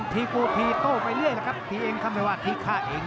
ทีกูทีโต้ไปเรื่อยทีเองข้าไม่ว่าทีข้าเอง